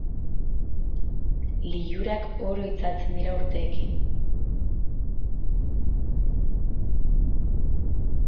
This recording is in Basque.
Lilurak oro itzaltzen dira urteekin.